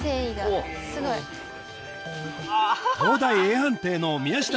東大Ａ判定の宮下率いる